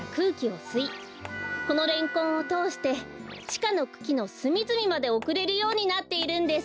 このレンコンをとおしてちかのくきのすみずみまでおくれるようになっているんです。